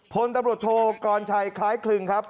พลตำรวจโทกรชัยคล้ายคลึงครับ